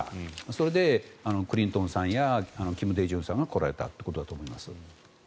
それでクリントンさんや金大中さんが来られたということになります。